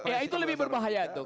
ya itu lebih berbahaya tuh